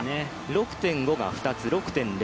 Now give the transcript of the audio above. ６．５が２つ、６．０。